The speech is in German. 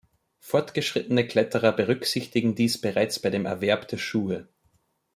Fortgeschrittene Kletterer berücksichtigen dies bereits bei dem Erwerb der Schuhe.